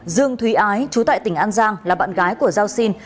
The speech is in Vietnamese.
dương thúy ái trú tại tỉnh an giang là bạn gái của giao xin